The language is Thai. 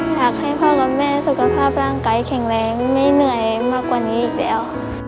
อยากให้พ่อกับแม่สุขภาพร่างกายแข็งแรงไม่เหนื่อยมากกว่านี้อีกแล้ว